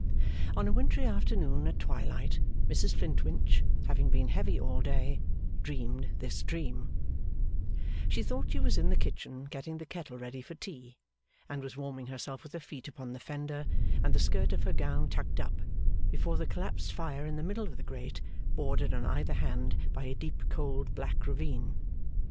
On a wintry afternoon at twilight, Mrs Flintwinch, having been heavy all day, dreamed this dream: She thought she was in the kitchen getting the kettle ready for tea, and was warming herself with her feet upon the fender and the skirt of her gown tucked up, before the collapsed fire in the middle of the grate, bordered on either hand by a deep cold black ravine.